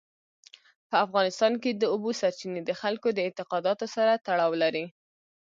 په افغانستان کې د اوبو سرچینې د خلکو د اعتقاداتو سره تړاو لري.